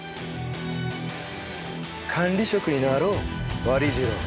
管理職になろう割寿郎。